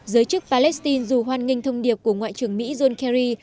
giới chức palestine dù hoan nghênh thông điệp của ngoại trưởng mỹ john kerry